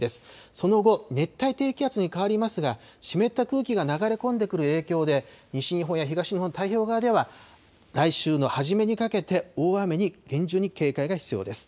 その後、熱帯低気圧に変わりますが、湿った空気が流れ込んでくる影響で、西日本や東日本、太平洋側では、来週の初めにかけて、大雨に厳重に警戒が必要です。